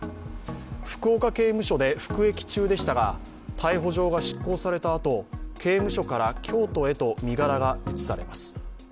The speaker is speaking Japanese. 福岡刑務所で服役中でしたが、逮捕状が執行されたあと、刑務所から京都へと身柄が移されます。